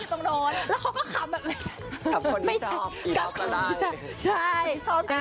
กับเพลงที่มีชื่อว่ากี่รอบก็ได้